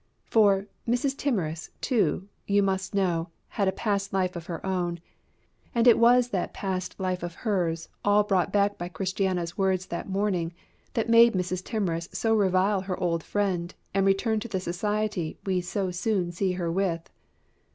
For, Mrs. Timorous too, you must know, had a past life of her own; and it was that past life of hers all brought back by Christiana's words that morning that made Mrs. Timorous so revile her old friend and return to the society we so soon see her with.